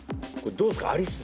どうっすか？